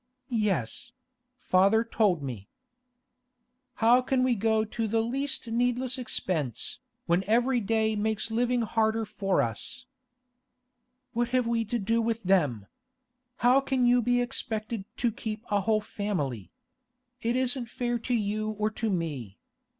'Yes; father told me.' 'How can we go to the least needless expense, when every day makes living harder for us?' 'What have we to do with them? How can you be expected to keep a whole family? It isn't fair to you or to me.